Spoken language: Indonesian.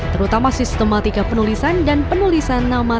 terutama sistematika penulisan dan penulisan nama